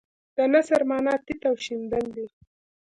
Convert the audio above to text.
د نثر معنی تیت او شیندل دي.